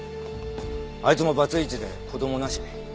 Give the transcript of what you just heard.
あいつもバツイチで子供なし。